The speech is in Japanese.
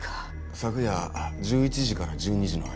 昨夜１１時から１２時の間。